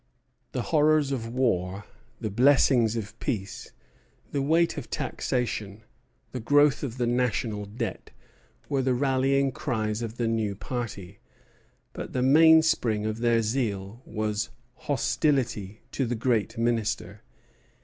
The horrors of war, the blessings of peace, the weight of taxation, the growth of the national debt, were the rallying cries of the new party; but the mainspring of their zeal was hostility to the great Minister.